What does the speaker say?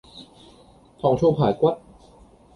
糖醋排骨